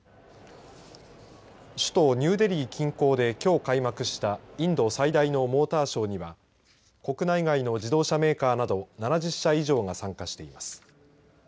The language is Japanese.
首都ニューデリー近郊できょう開幕したインド最大のモーターショーには国内外の自動車メーカーなど７０社以上が参加しています。